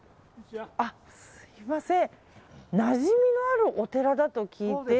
すみません。